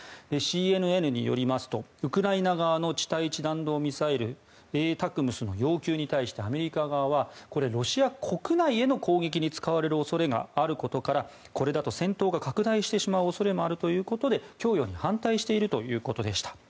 ＣＮＮによりますとウクライナ側の地対地弾道ミサイルの要求に対しアメリカ側はロシア国内への攻撃に使われる恐れがあることからこれだと戦闘が拡大してしまう恐れもあるということで供与に反対しているということでした。